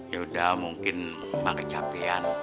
yaudah mungkin mak kecapean